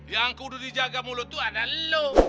yang kudu dijaga mulut itu ada lo